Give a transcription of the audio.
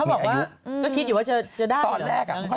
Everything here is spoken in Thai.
ก็คิดอยู่ว่าจะได้หรือ